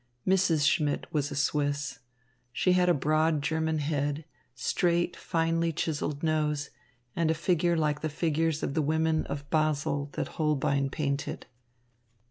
Mrs. Schmidt was a Swiss. She had a broad German head, straight, finely chiselled nose, and a figure like the figures of the women of Basel that Holbein painted.